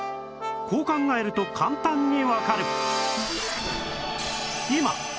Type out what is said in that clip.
こう考えると簡単にわかる